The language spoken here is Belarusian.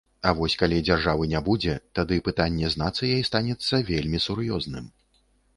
А вось калі дзяржавы не будзе, тады пытанне з нацыяй станецца вельмі сур'ёзным.